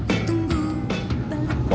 jalan ya pak